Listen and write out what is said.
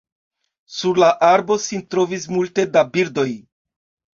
Sur la arbo sin trovis multe da birdoj.